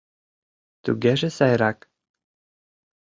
Тугеже сайрак.